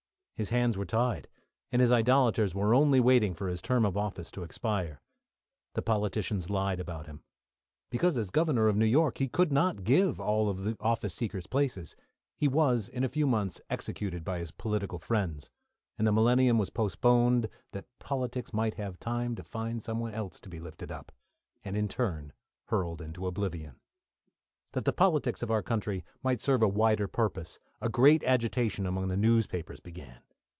His hands were tied, and his idolaters were only waiting for his term of office to expire. The politicians lied about him. Because as Governor of New York he could not give all the office seekers places, he was, in a few months, executed by his political friends, and the millennium was postponed that politics might have time to find someone else to be lifted up and in turn hurled into oblivion. That the politics of our country might serve a wider purpose, a great agitation among the newspapers began.